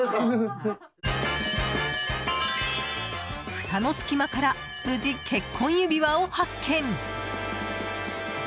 ふたの隙間から無事、結婚指輪を発見。